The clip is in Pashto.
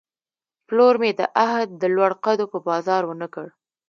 پلور مې د عهد، د لوړ قدو په بازار ونه کړ